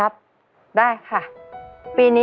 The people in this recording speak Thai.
๑ล้าน